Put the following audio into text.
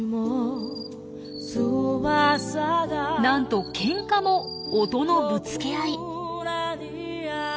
なんとケンカも音のぶつけ合い。